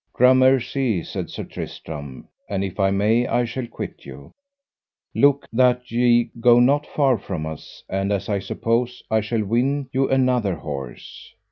Gramercy, said Sir Tristram, and if I may I shall quite you: look that ye go not far from us, and as I suppose, I shall win you another horse.